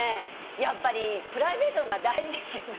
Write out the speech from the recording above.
やっぱりプライベートのほうが大事ですよね。